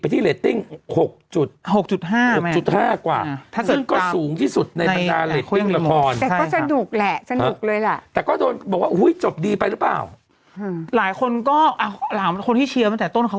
ถูกต้องไหม